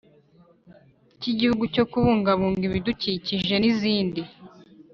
Cy igihugu cyo kubungabunga ibidukikije n izindi